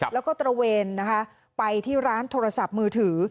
แล้วก็ตระเวนนะคะไปที่ร้านโทรศัพท์มือถือ